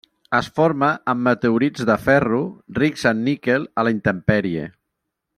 Es forma en meteorits de ferro rics en níquel a la intempèrie.